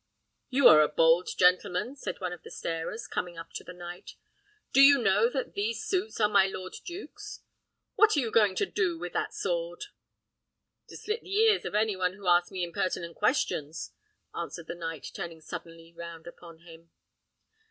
"You are a bold gentleman!" said one of the starers, coming up to the knight. "Do you know that these suits are my lord duke's? What are you going to do with that sword?" "To slit the ears of any one who asks me impertinent questions," answered the knight, turning suddenly round upon him.